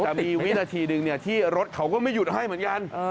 แต่มีวินาทีหนึ่งที่รถเขาก็ไม่หยุดให้เหมือนกัน